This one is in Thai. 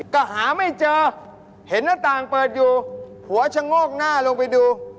ก็หาไม่เจอเห็นหน้าต่างเปิดอยู่หัวชะโงกหน้าลงไปดู